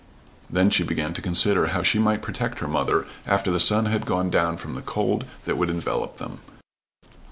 Then she began to consider how she might protect her mother after the sun had gone from the cold that would envelop them.